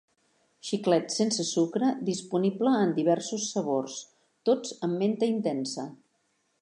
Xiclet sense sucre disponible en diversos sabors, tots amb menta "intensa".